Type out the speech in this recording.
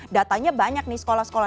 datanya banyak nih sekolah sekolah